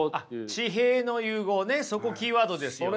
地平の融合ねそこキーワードですよね。